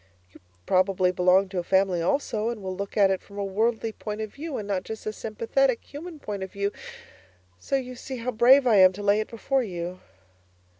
You probably belong to a Family also, and will look at it from a worldly point of view and not just a sympathetic, human point of view so you see how brave I am to lay it before you.